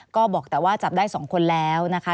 ก็บอกแต่ว่าจับได้๒คนแล้วนะคะ